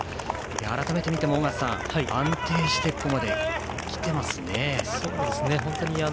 改めて見ても尾方さん安定してここまで来ています。